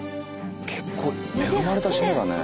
結構恵まれた島だね。